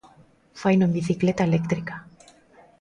Faino en bicicleta eléctrica.